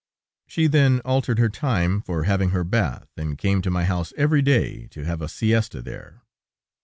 She then altered her time for having her bath, and came to my house every day, to have a siesta there.